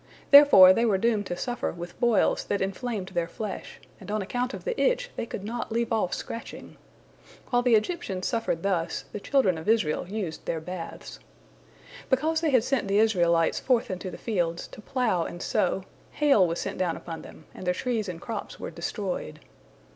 Therefore they were doomed to suffer with boils that inflamed their flesh, and on account of the itch they could not leave off scratching. While the Egyptians suffered thus, the children of Israel used their baths. Because they had sent the Israelites forth into the fields, to plough and sow, hail was sent down upon them, and their trees and crops were destroyed.